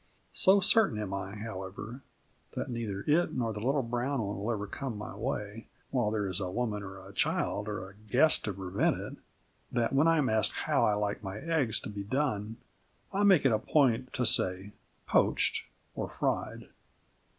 So certain am I, however, that neither it nor the little brown one will ever come my way, while there is a woman or a child or a guest to prevent it, that when I am asked how I like the eggs to be done I make it a point to say "poached" or "fried."